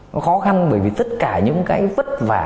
nó khó khăn bởi vì tất cả những cái vất vả